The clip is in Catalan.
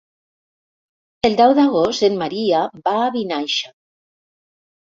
El deu d'agost en Maria va a Vinaixa.